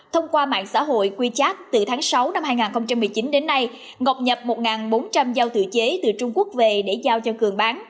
thông qua mạng xã hội wechat từ tháng sáu năm hai nghìn một mươi chín đến nay ngọc nhập một bốn trăm linh giao tự chế từ trung quốc về để giao cho cường bán